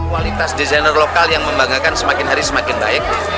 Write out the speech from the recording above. kualitas desainer lokal yang membanggakan semakin hari semakin baik